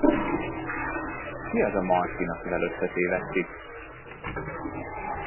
Ki az a Martin, akivel összetévesztik?!